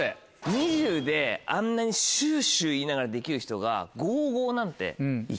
２０ｋｇであんなにシュシュ言いながらできる人が５・５なんて行けるでしょ。